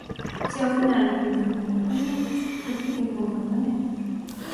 Se ao final repiten comportamentos, repiten comportamentos.